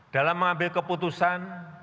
dalam mengambil keputusan